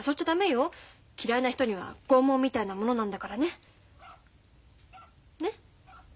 嫌いな人には拷問みたいなものなんだからね。ね！